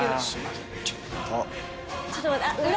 ちょっと待って。